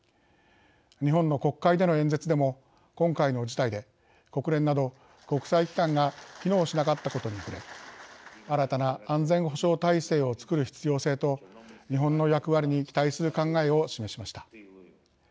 日本の国会での演説でも今回の事態で国連など国際機関が機能しなかったことに触れ新たな安全保障体制をつくる必要性と、日本の役割に期待する考えを示しました。